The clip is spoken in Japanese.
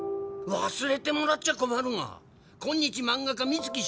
忘れてもらっちゃ困るが今日漫画家水木